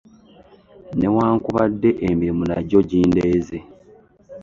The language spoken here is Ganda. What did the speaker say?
Newankubadde emirimu nagyo jindeeze .